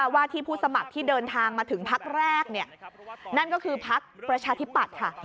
ว่าที่ผู้สมัครที่เดินทางมาถึงพักแรกนั่นก็คือพักประชาธิปัตย์ค่ะ